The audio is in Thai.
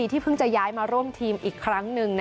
ที่เพิ่งจะย้ายมาร่วมทีมอีกครั้งหนึ่ง